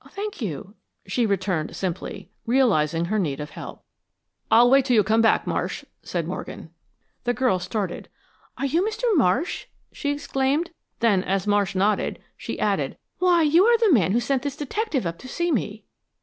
"Thank you," she returned, simply, realizing her need of help. "I'll wait until you come back, Marsh," said Morgan. The girl started. "Are you Mr. Marsh?" she exclaimed. Then, as Marsh nodded, she added, "Why, you are the man who sent this detective up to see me."